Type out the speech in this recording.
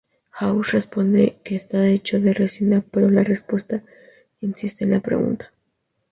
House responde que está hecho de resina, pero "la respuesta" insiste en la pregunta.